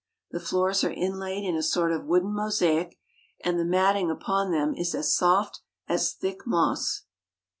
The floors are inlaid in a sort of a wooden mosaic, and the mat ting upon them is as soft as thick moss.